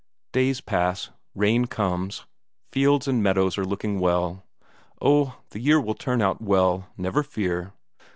Days pass, rain comes, fields and meadows are looking well oh, the year will turn out well, never fear!